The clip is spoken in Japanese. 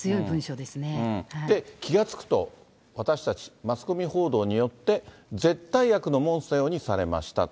で、気がつくと、私たちはマスコミ報道によって、絶対悪のモンスターのようにされました。